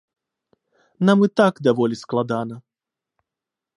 Нам і так даволі складана.